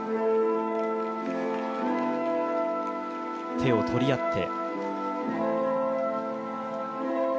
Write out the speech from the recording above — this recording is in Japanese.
手を取り合って。